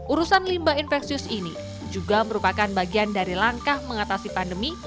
urusan limbah infeksius ini juga merupakan bagian dari langkah mengatasi pandemi